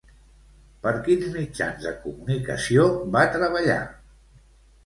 Per quins mitjans de comunicació va treballar?